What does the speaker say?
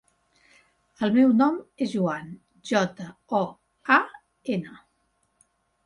El meu nom és Joan: jota, o, a, ena.